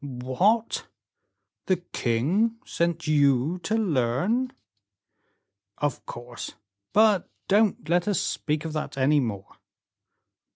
"What! the king sent you to learn " "Of course; but don't let us speak of that any more."